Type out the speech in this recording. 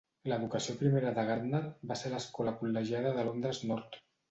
L'educació primera de Gardner va ser a l'Escola Col·legiata de Londres Nord.